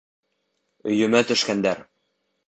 — Өйөмә төшкәндәр!